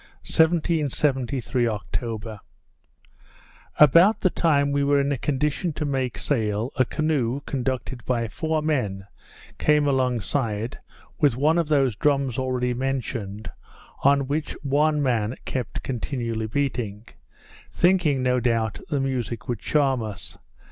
_ 1773 October About the time we were in a condition to make sail, a canoe, conducted by four men, came along side, with one of those drums already mentioned, on which one man kept continually beating; thinking, no doubt, the music would charm us.